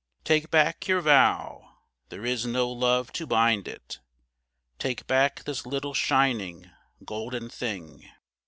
Take back your vow: there is no love to bind it: Take back this little shining, golden thing.